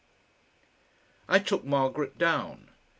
I took Margaret down.